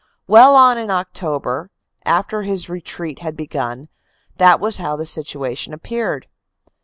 Well on in October, after his retreat had begun, that was how the situation appeared.